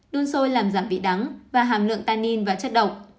đun sôi làm giảm vị đắng và hàm lượng tannin và chất độc